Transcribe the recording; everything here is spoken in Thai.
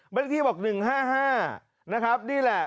เลขที่บอก๑๕๕นะครับนี่แหละ